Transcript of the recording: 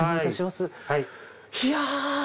いや！